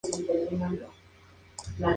Incluso elaboró una historia del sánscrito.